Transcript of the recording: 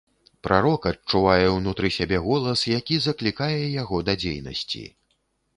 Прарок адчувае ўнутры сябе голас, які заклікае яго да дзейнасці.